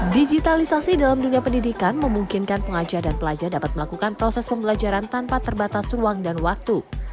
digitalisasi dalam dunia pendidikan memungkinkan pengajar dan pelajar dapat melakukan proses pembelajaran tanpa terbatas ruang dan waktu